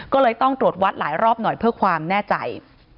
ก็เลยต้องตรวจวัดหลายรอบหน่อยเพื่อความแน่ใจ